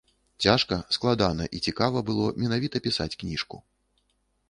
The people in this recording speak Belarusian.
Цяжка, складана і цікава было менавіта пісаць кніжку.